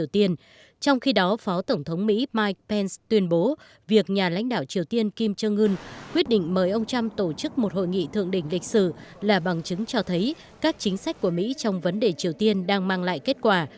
trong khi đó phó tổng thống mỹ mike pence tuyên bố việc nhà lãnh đạo triều tiên kim jong un quyết định mời ông trump tổ chức một hội nghị thượng đỉnh lịch sử là bằng chứng cho thấy các chính sách của mỹ trong vấn đề triều tiên đang mang lại kết quả